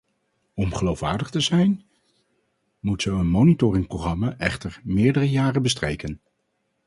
Om geloofwaardig te zijn, moet zo'n monitoringprogramma echter meerdere jaren bestrijken.